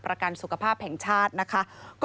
พบหน้าลูกแบบเป็นร่างไร้วิญญาณ